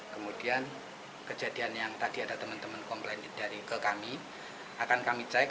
kemudian kejadian yang tadi ada teman teman komplain dari ke kami akan kami cek